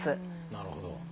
なるほど。